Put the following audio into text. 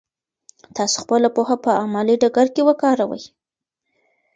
تاسو خپله پوهه په عملي ډګر کې وکاروئ.